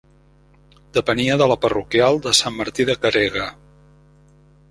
Depenia de la parroquial de Sant Martí de Caregue.